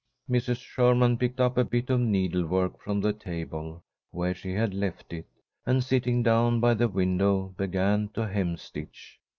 Mrs. Sherman picked up a bit of needlework from the table where she had left it, and, sitting down by the window, began to hemstitch.